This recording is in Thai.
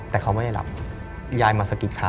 แต่เขาไม่ได้หลับยายมาสะกิดเช้า